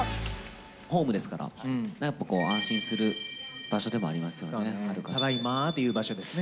ホームですから、やっぱ安心する場所でもありますね。